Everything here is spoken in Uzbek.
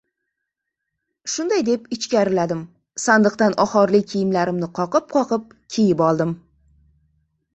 Shunday deb ichkariladim. Sandiqdan ohorli kiyimlarimni qoqib-qoqib kiyib oldim.